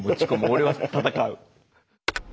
俺は闘う。